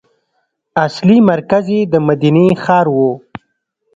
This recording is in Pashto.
اصلي مرکز یې د مدینې ښار و.